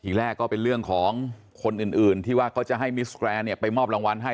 แรกก็เป็นเรื่องของคนอื่นที่ว่าเขาจะให้มิสแกรนเนี่ยไปมอบรางวัลให้